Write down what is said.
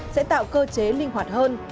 sẽ tạo cơ chế linh hoạt hơn